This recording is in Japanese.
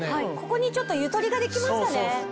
ここにちょっとゆとりができましたね。